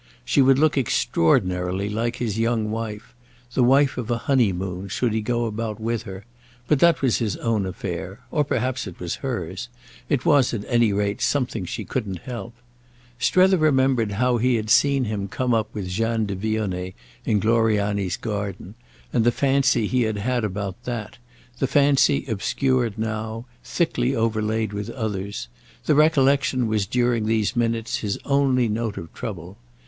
She would look extraordinarily like his young wife—the wife of a honeymoon, should he go about with her; but that was his own affair—or perhaps it was hers; it was at any rate something she couldn't help. Strether remembered how he had seen him come up with Jeanne de Vionnet in Gloriani's garden, and the fancy he had had about that—the fancy obscured now, thickly overlaid with others; the recollection was during these minutes his only note of trouble.